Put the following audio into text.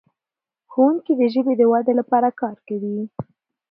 ښوونکي د ژبې د ودې لپاره کار کوي.